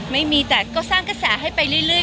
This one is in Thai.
ไม่มีแต่ก็สร้างกระแสให้ไปเรื่อย